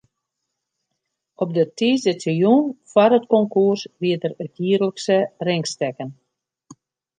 Op de tiisdeitejûn foar it konkoers wie der it jierlikse ringstekken.